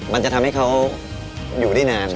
มันจะทำให้เขาอยู่ได้นาน